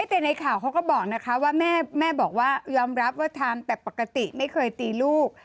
แต่ในข่าวเขาก็บอกนะคะว่าแม่บอกว่ายอมรับว่าทำแต่ปกติไม่เคยตีลูก